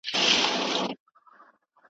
یخ باد بند وساتئ.